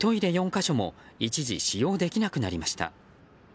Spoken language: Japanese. ４か所も一時、使用できなくなりました。